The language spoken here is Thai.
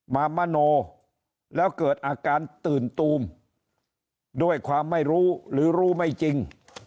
มามโนแล้วเกิดอาการตื่นตูมด้วยความไม่รู้หรือรู้ไม่จริง